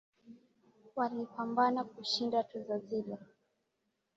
Walipambana kushinda tuzo zile